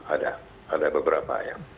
ada beberapa ya